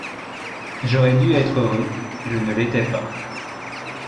J’aurais dû être heureux: je ne l’étais pas.